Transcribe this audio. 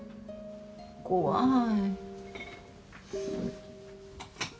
怖い。